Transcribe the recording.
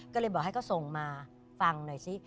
ก็เลยบอกให้เขาส่งมาฟังหน่อยสิ